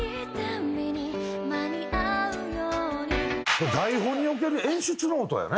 これ台本における演出ノートやね。